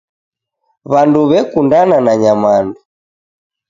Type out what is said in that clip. Wandu wekundana na nyamandu.